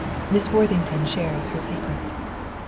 MISS WORTHINGTON SHARES HER SECRET.